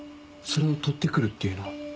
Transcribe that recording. それを取って来るっていうのは？